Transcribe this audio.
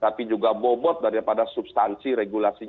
tapi juga bobot daripada substansi regulasinya